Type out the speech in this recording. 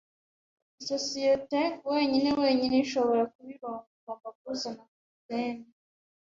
isosiyete wenyine wenyine, ishobora kuba irungu, ugomba guhuza na Cap'n